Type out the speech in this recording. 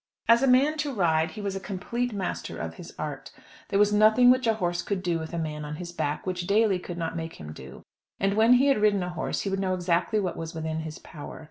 As a man to ride he was a complete master of his art. There was nothing which a horse could do with a man on his back, which Daly could not make him do; and when he had ridden a horse he would know exactly what was within his power.